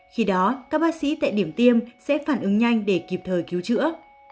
khi đó các bác sĩ tại điểm tiêm sẽ phản ứng nhanh để kịp thời cứu chữa